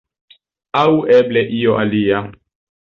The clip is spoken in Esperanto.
Aŭ eble io alia.